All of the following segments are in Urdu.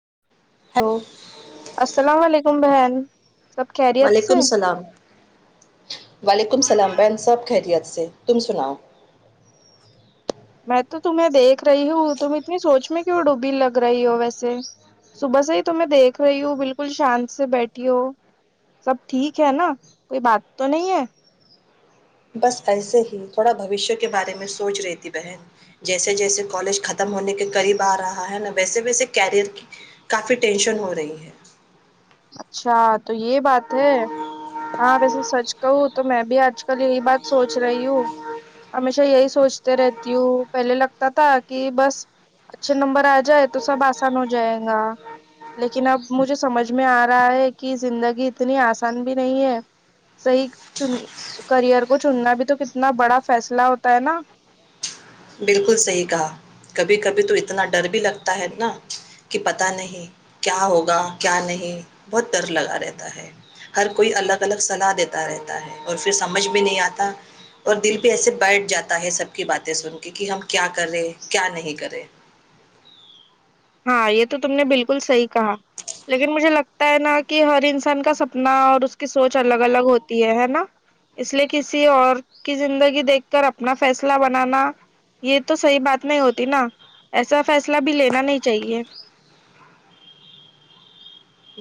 [unintelligible] السلام علیکم بہن سب خیریت سے وعلیکم السلام ویکم کم سلام بین سب خیریت سے تم سناؤ میں تو تمہیں دیکھ رہی ہوں تم اتنی سوچ میں کہ وہ ڈوبی لگ رہی ہو ویسے صبح سے ہی تمیں دیکھ رہی ہوں بالکل شانت سے بیٹھی ہو سب ٹھیک ہے نا کوئی بات تو نہیں ہے بس ایسے ہی تھوڑا بوشیہ کے بارے میں سوچ رہی تھی بہن جیسے جیسے کالج ختم ہونے کے قریب آ رہا ہے نا ویسے ویسے کیریئر کی کافی ٹینشن ہو رہی ہے اچھا تو یہی بات ہے ہاں ویسے سچ کہوں تو میں بھی آج کل یہی بات سوچ رہی ہوں ہمیشہ یہی سوچتے رہتی ہوں پہلے لگتا تھا کہ بس اچھے نمبر آ جائے تو سب آسان ہو جائے گا لیکن اب مجھے سمجھ میں آ رہا ہے کہ زندگی اتنی آسان بھی نہیں ہے صحیح چ کرئر کو چننا بھی تو کتنا بڑا فیصلہ ہوتا ہے نا بالکل صحیح کہا کبھی کبھی تو اتنا ڈر بھی لگتا ہے نا کہ پتہ نہیں کیا ہوگا کیا نہیں بہت ڈر لگا رہتا ہے ہر کوئی الگ الگ صلاح دیتا رہتا ہے اور پھر سمجھ بھی نہیں آتا اور دل بھی ایسے بیٹھ جاتا ہے سب کی باتیں سن ہم کیا کرے کیا نہیں کرے ہاں یہ تو تم نے بالکل صحیح کہا لیکن مجھے لگتا ہے نا کہ ہر انسان کا سپنا اور اس کی سوچ الگ الگ ہوتی ہے ہے نا اس لیے کسی اور کی زندگی دیکھ کر اپنا فیصلہ بنانا یہ تو صحیح بات نہیں ہوتی نا ایسا فیصلہ بھی لینا نہیں چاہیے [unintelligible]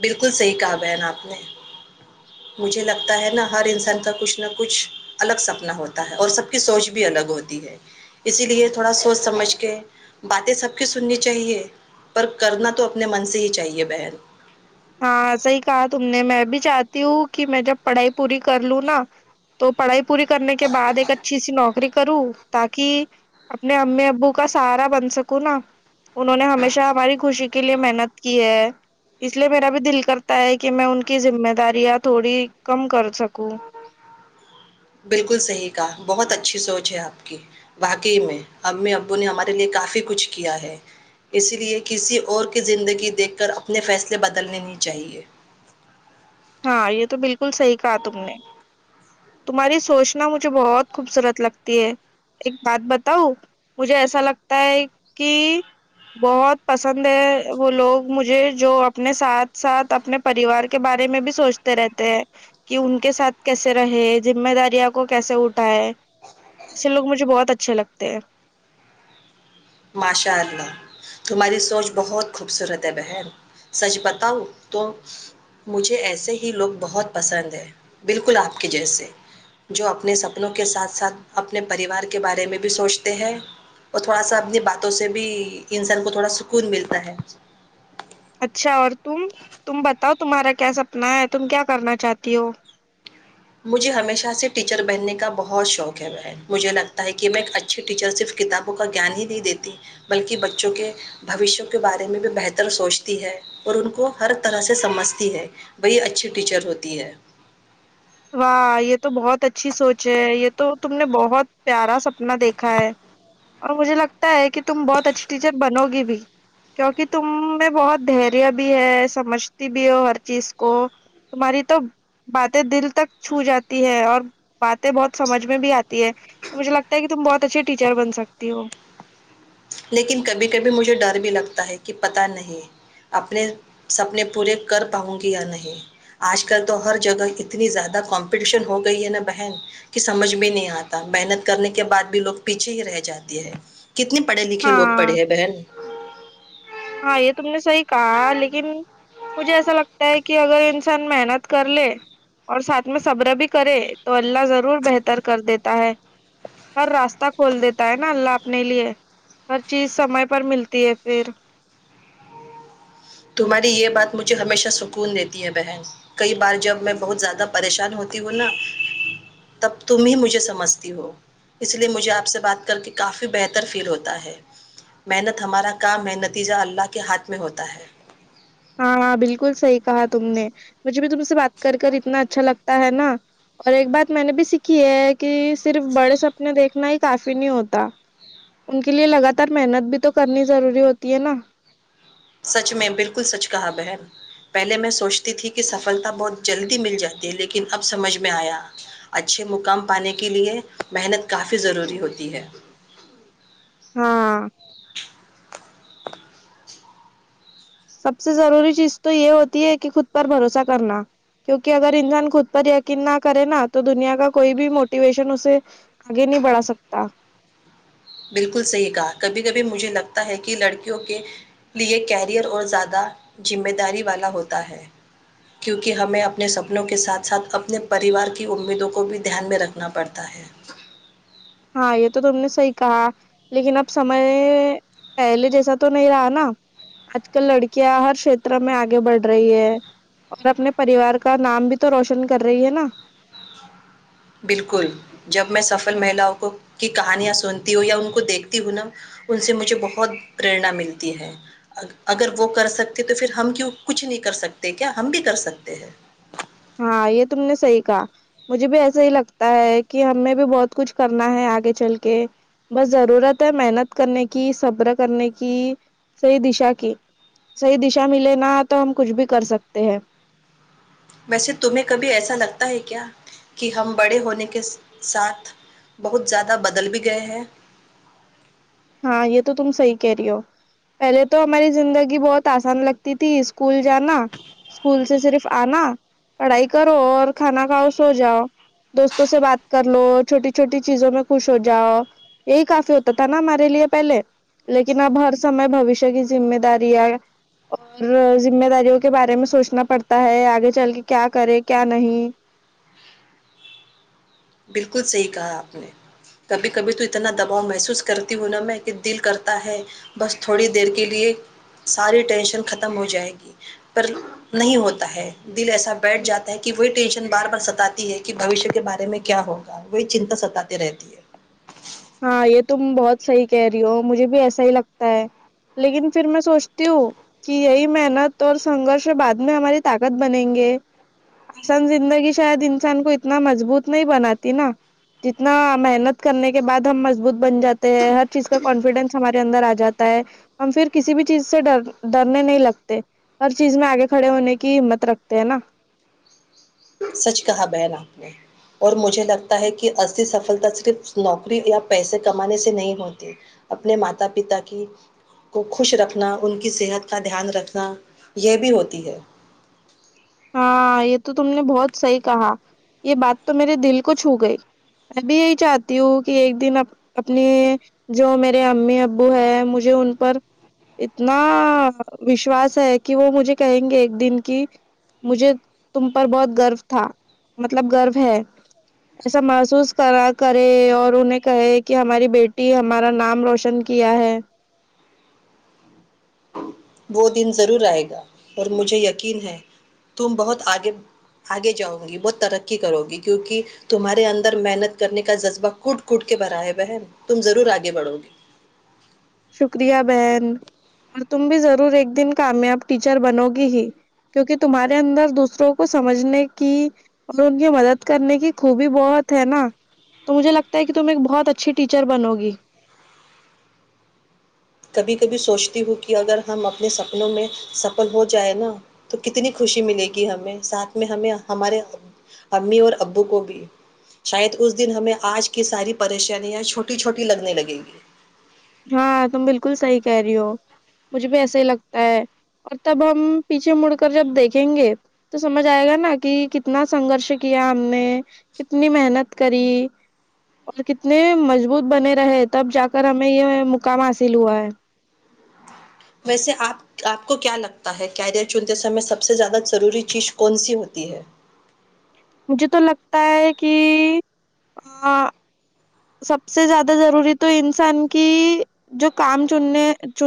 بالکل صحیح کہا بہن آپ نے مجھے لگتا ہے نا ہر انسان کا کچھ نہ کچھ الگ سپنا ہوتا ہے اور سب کی سوچ بھی الگ ہوتی ہے اسی لیے تھوڑا سوچ سمجھ کے باتیں سب کی سننی چاہیے پر کرنا تو اپنے من سے ہی چاہیے بہن ہاں ایسا ہی کہا تم نے میں بھی چاہتی ہوں کہ میں جب پڑھائی پوری کر لوں نا تو پڑھائی پوری کرنے کے بد ایک اچھی سی نوکری نری کروں تاکہ اپنے امی ابو کا سہارا بن سکوں نا انہوں نے ہمیشہ ہماری خوشی کے لیے محنت کی ہے اس لیے میرا بھی دل کرتا ہے کہ میں ان کی ذمہ داریاں تھوڑی کم کر سکوں بالکل صحیح کہا بہت اچھی سوچ ہے آپ کی واقی میں امی ابو نے ہمارے لیے کافی کچھ کیا ہے اسی لیے کسی اور کی زندگی دیکھ کر اپنے فیصلے بدلنے نہیں چاہیے ہاں یہ تو بالکل صحیح کہا تم نے تمہاری سوچنا مجھے بہت خوبصورت لگتی ہے ایک بات بتاؤ مجھے ایسا لگتا ہے کہ بہت پسند ہے وہ لوگ مجھے جو اپنے ساتھ ساتھ اپنے پریوار کے بارے میں بھی سوچتے رہتے ہیں کہ ان کے ساتھ کیسے رہے ذم داریاں کو کیسے اٹھائے ایسے لوگ مجھے بہت اچھے لگتے ہیں ماشاء اللہ تمہاری سوچ بہت خوبصورت ہے بہن سچ بتاؤ تو مجھے ایسے ہی لوگ بہت پسند ہے بالکل آپ کے جیسے جو اپنے سپنوں کے ساتھ ساتھ اپنے پریوار کے بارے میں بھی سوچتے ہیں اور تھوڑا سا اپنی باتوں سے بھی انسان کو تھوڑا سکون ملتا ہے اچھا اور تم تم بتاؤ تمہارا کیا سپنا ہے تم کیا کرنا چاہتی ہو مجھے ہمیشہ سے ٹیچر بہننے کا بہت شوق ہے وہ مجھے لگتا ہے کہ میں ایک اچھی ٹیچر صرف کتابوں کا گان ہی نہیں دیتی بلکہ بچوں کے بھوشوں کے بارے میں بھی بہتر سوچتی ہے اور ان کو ہر طرح سے سمجھتی ہے وہی اچھی ٹیچر ہوتی ہے واہ یہ تو بہت اچھی سوچ ہے یہ تو تم نے بہت پیارا سپنا دیکھا ہے اور مجھے لگتا ہے کہ تم بہت اچھی ٹیچر بنو گی بھی کیوںکہ تم میں بہت دریہ بھی ہے سمجھتی بھی ہو ہر چیز کو تمہاری تو باتیں دل تک چھو جاتی ہے اور باتیں بہت سمجھ میں بھی آتی ہے تو مجھے لگتا ہے کہ تم بہت اچھے ٹیچر بن سکتی ہو لیکن کبھی کبھی مجھے ڈر بھی لگتا ہے کہ پت نہیں اپنے سپنے پورے کر پاؤں گی یا نہیں آج کل تو ہر جگہ اتنی زیادہ کمپٹیشن ہو گئی ہے نا بہن کہ سمجھ میں نہیں آتا محنت کرنے کے بعد بھی لوگ پیچھے ہی رہ جاتی ہے کتنی پڑھے لکھے لو پڑھے ہاں ہیں بہن ہاں یہ تم نے صحیح کہا لیکن مجھے ایسا لگتا ہے کہ اگر انسان محنت کر لے اور ساتھ میں صبر بھی کرے تو اللہ ضرور بہتر کر دیتا ہے ہر راستہ کھول دیتا ہے نا اللہ اپنے لیے ہر چیز سمے پر ملتی ہے پھر تمہاری یہ بات مجھے ہمیشہ سکون دیتی ہے بہن کئی بار جب میں بہت زیادہ پریشان ہوتی ہوں نا تب تم ہی مجھے سمجھتی ہو اس لیے مجھے آپ سے بات کر کے کافی بہتر فیل ہوتا ہے محنت ہمارا کام ہے نتیجہ اللہ کے ہاتھ میں ہوتا ہے ہاںاں بالکل صحیح کہا تم نے مجھے بھی تم سے بات کر کر اتنا اچھا لگتا ہے نا اور ایک بات میں نے بھی سیکھی ہے کہ صرف بڑے سپنے دیکھنا ہی کافی نہیں ہوتا ان کے لیے لگاتار محنت بھی تو کرنی ضروری ہوتی ہے نا سچ میں بالکل سچ کہا بہن پہلے میں سوچتی تھی کہ سفلتا بہت جلدی مل جاتی ہے لیکن اب سمجھ میں آیا اچھے مقام پانے کے لئے محنت کافی ضروری ہوتی ہے ہاں سب سے ضروری چیز تو یہ ہوتی ہے کہ خود پر بھروسہ کرنا کیونکہ اگر انسان خود پر یقین نہ کرے نا تو دنیا کا کوئی بھی موٹیویشن اسے آگے نہیں بڑھا سکتا بالکل صحیح کہا کبھی کبھی مجھے لگتا ہے کہ لڑکیوں کے لیے کیریئر اور زیادہ ذمہ داری والا ہوتا ہے کیونکہ ہمیں اپنے سپنوں کے ساتھ ساتھ اپنے پریوار کی امیدوں کو بھی دھیان میں رکھنا پڑتا ہے ہاں یہ تو تم نے صحی کہا لیکن اب سمے پہلے جیسا تو نہیں رہا نا آج کل لڑکیاں ہر شھیتر میں آگے بڑھ رہی ہے اور اپنے پریوار کا نام بھی تو روشن کر رہی ہے نا بالکل جب میں سفل مہیلاؤں کو کی کہانیاں سنتی ہوں یا ان کو دیکھتی ہوں نا ان سے مجھے بہت پرنا ملتی ہے اگر وہ کر سکتے تو پھر ہم کیوں کچھ نہیں کر سکتے کیا ہم بھی کر سکتے ہیں ہاں یہ تم نے صحیح کہا مجھے بھی ایسا ہی لگتا ہے کہ ہمیں بھی بہت کچھ کرنا ہے آگے چل کے بس ضرورت ہے محنت کرنے کی صبر کرنے کی صحی دشا کی صحی دشا ملے نا تو ہم کچھ بھی کر سکتے ہیں ویسے تمہیں کبھی ایسا لگتا ہے کیا کہ ہم بڑے ہونے کے ساتھ بہت زیادہ بدل بھی گئے ہیں ہاں یہ تو تم صحیح کہہ رہی ہو پہلے تو ہماری زندگی بہت آسان لگتی تھی اسکول جانا اسکول سے صرف آنا پڑھائی کرو اور کھانا کھاؤ سو جاؤ دوستوں سے بات کر لو چھوٹی چھوٹی چیزوں میں خوش ہو جاؤ یہی کافی ہوتا تھا نا ہمارے دے لیے پہلے لیکن اب ہر سمے بوشیہ کی ذمہ داریاں اور ذمہ داریوں کے بارے میں سوچنا پڑتا ہے آگے چل کے کیا کرے کیا نہیں بالکل صحی کہا آپ نے کبھی کبھی تو اتنا دباؤ محسوس کرتی ہوں نا میں کہ دل کرتا ہے بس تھوڑی دیر کے لیے ساری ٹینشن ختم ہو جائے گی پر نہیں ہوتا ہے دل ایسا بیٹھ جاتا ہے کہ وہی ٹینشن بار بار ستی ہے کہ بھشیہ کے بارے میں کیا ہوگا وہی چنتا ستاتی رہتی ہے ہاں یہ تم بہت صحیح کہہ رہی ہو مجھے بھی ایسا ہی لگتا ہے لیکن پھر میں سوچتی ہوں کہ یہی محنت اور سنگرش بعد میں ہماری طاقت بنیں گے آسان زندگی شاید انسان کو اتنا مضبوط نہیں بناتی نا جتنا محنت کرنے کے کے بعد ہم مضبوط بن جاتے ہیں ہر چیز کا کانفیڈینس ہمارے اندر آ جاتا ہے ہم پھر کسی بھی چیز سے ڈر ڈرنے نہیں لگتے ہر چیز میں آگے کھڑے ہونے کی ہمت رکھتے ہیں نا سچ کہا بہن آپ نے اور مجھے لگتا ہے کہ اھی سفلتا صرف نوکری یا پیسے کمانے سے نہیں ہوتی اپنے ماتا پتا کی کو خوش رکھنا ان کی صحت کا دھیان رکھنا یہ بھی ہوتی ہے ہاں یہ تو تم نے بہت صحیح کہا یہ بات تو میرے دل کو چھو گئی میں بھی یہی چاہتی ہوں کہ ایک دن اپنی جو میرے امی ابو ہے مجھے ان پر اتنا وشواس ہے کہ وہ مجھے کہیں گے ایک دن کی مجھے تم پر بہت گرو تھا مطلب گرو ہے ایسا محسوس کرا کرے اور انہیں کہے کہ ہماری بیٹی ہمارا نام روشن کیا ہے وہ دن ضرور آئے گا اور مجھے یقین ہے تم بہت آگے آگے جاؤ گی بہت ترقی کرو گی کیونکہ تمہارے اندر محنت کرنے کا جذبہ کٹ کٹ کے بھرائے ہوئے ن تم ضرور آگے بڑھو گے شکریہ بہن اور تم بھی ضرور ایک دن کامیاب ٹیچر بنو گی ہی کیونکہ تمہارے اندر دوسروں کو سمجھنے کی اور ان کی مدد کرنے کی خوبی بہت ہے نا تو مجھے لگتا ہے کہ تم ایک بہت اچھی ٹیچر بنو گی بھی کبھی سوچتی ہوں کہ اگر ہم اپنے سپنوں میں سفل ہو جائےیں نا تو کتنی خوشی ملے گی ہمیں ساتھ میں ہمیں ہمارے امی اور ابو کو بھی شاید اس دن ہمیں آج کی ساری پریشانیاں چھوٹی چھوٹی لگنے لگے گی ہاں تم بالکل صحیح کہہ رہی ہو مجھے بھی ایسے ہی لگتا ہے اور تب ہم پیچھے مڑ کر جب دیکھیں گے تو سمجھ آئے گا نا کہ کتنا سنگرش کیا ہم نے کتنی محنت کری اور کتنے مضبوط بنے رہے تب جا کر ہم میں یہ مقام حاصل ہوا ہے ویسے آپ کو کیا لگتا ہے کیریئر چنتے سمے سب سے زیادہ ضروری چیز کون سی ہوتی ہے مجھے تو لگتا ہے کہ سب سے زیادہ ضروری تو انسان کی جو کام چننے چ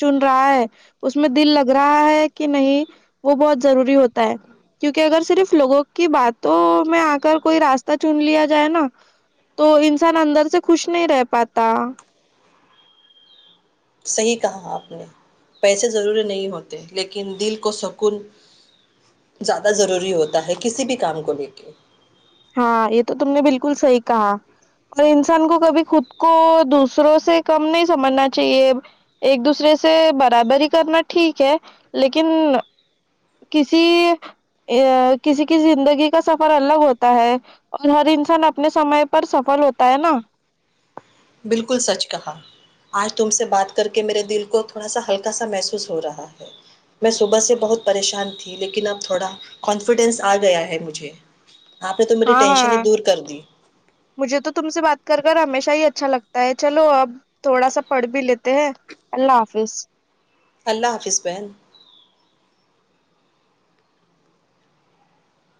چن رہا ہے اس میں دل لگ رہا ہے کہ نہیں وہ بہت ضروری ہوتا ہے کیونکہ اگر صرف لوگوں کی بات تو میں آ کر کوئی راستہ چن لیا جائے نا تو انسان اندر سے خوش نہیں رہ پاتا صحیح کہا آپ نے پیسے ضروری نہیں ہوتے لیکن دل کو سکون زیادہ ضروری ہوتا ہے کسی بھی کام کو لے کے ہاں یہ تو تم نے بالکل صحی کہا اور انسان کو کبھی خود کو دوسروں سے کم نہیں سمجھنا چاہیے ایک دوسرے سے برابری کرنا ٹھیک ہے لیکن کسی کسی کی زندگی کا سفر الگ ہوتا ہے اور ہر انسان اپنے سمے پر سفل ہوتا ہے نا بالکل سچ کہا آج تم سے بات کر کے میرے دل کو تھوڑا سا ہلکا سا محسوس ہو رہا ہے میں صبح سے بہت پریشان تھی لیکن اب تھوڑا کانفیڈینس آ گیا ہے مجھے آپ نے تو میری ہاں ٹینشن ہاں ہی دور کر دی مجھے تو تم سے بات کر ہمیشہ ہی اچھا لگتا ہے چلو اب تھوڑا سا پڑھ بھی لیتے ہیں اللہ حافظ اللہ حافظ بہن